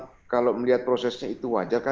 ya kalau melihat prosesnya itu wajar kan